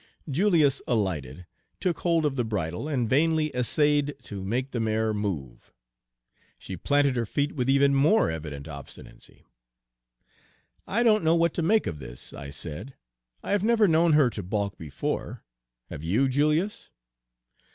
Julius alighted, took hold of the bridle, and vainly essayed to make the mare move. She planted her feet with even more evident obstinacy. "I don't know what to make of this," I said. "I have never known her to balk before. Have you, Julius?"